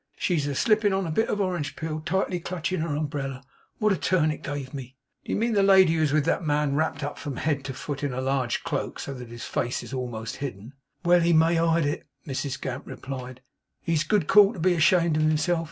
She's a slippin' on a bit of orangepeel!' tightly clutching her umbrella. 'What a turn it give me.' 'Do you mean the lady who is with that man wrapped up from head to foot in a large cloak, so that his face is almost hidden?' 'Well he may hide it!' Mrs Gamp replied. 'He's good call to be ashamed of himself.